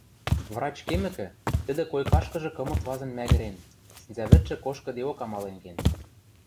Врач кемӹкӹ, тӹдӹ койкашкыжы кымык вазын мӓгӹрен, сӹнзӓвӹдшӹ кошкыдеок амален кен.